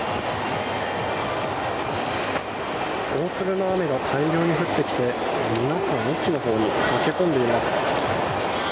大粒の雨が大量に降ってきて皆さん駅の方に駆け込んでいます。